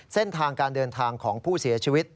เส้นทางการเดินทางของผู้เสียชีวิต